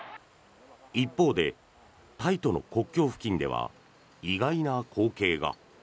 一方で、タイとの国境付近では意外な光景が。